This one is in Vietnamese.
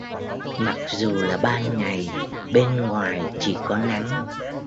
Mặc dù là ban ngày bên ngoài chỉ có nắng